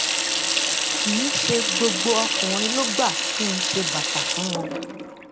Kìí ṣe gbogbo ọkùnrin ló gbà kí ń ṣe bàtà fún wọn.